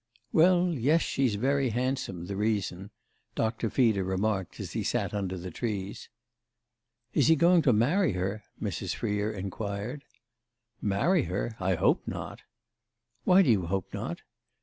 "Well yes, she's very handsome, the reason," Doctor Feeder remarked as he sat under the trees. "Is he going to marry her?" Mrs. Freer inquired. "Marry her? I hope not." "Why do you hope not?"